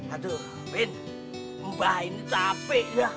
aduh ben mbah ini capek ya